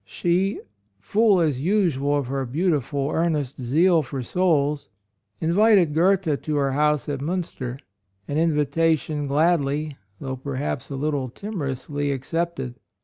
She, full as usual of her beautiful, earnest zeal for souls, invited Goethe to her house at Miinster, — an invita tion gladly, though perhaps a little timorously, accepted.